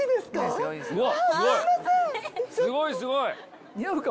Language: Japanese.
すごいすごい！